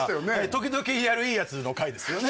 時々やるいいやつの回ですよね